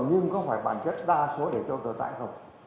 nhưng có phải bản chất đa số để cho tội tạo không